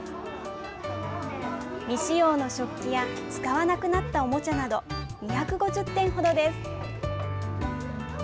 未使用の食器や使わなくなったおもちゃなど２５０点ほどです。